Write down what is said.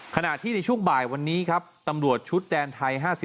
ขณะที่ในช่วงบ่ายวันนี้ครับตำรวจชุดแดนไทย๕๔